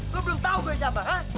lu belum tau gue siapa